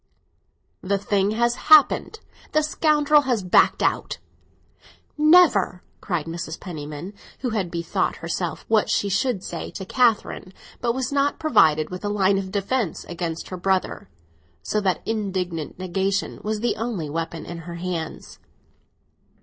"The thing has happened—the scoundrel has backed out!" "Never!" cried Mrs. Penniman, who had bethought herself what she should say to Catherine, but was not provided with a line of defence against her brother, so that indignant negation was the only weapon in her hands.